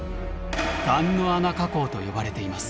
「雁ノ穴火口」と呼ばれています。